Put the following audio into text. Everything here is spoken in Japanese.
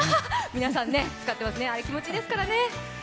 皆さん使ってますね、あれ気持ちいいですからね。